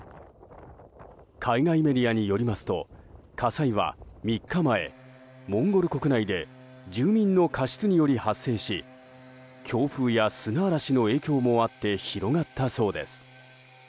海外メディアによりますと火災は３日前モンゴル国内で住民の過失により発生し強風や砂嵐の影響もあって広がったそうです。